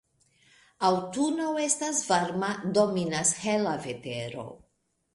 Aŭtuno estas varma, dominas hela vetero.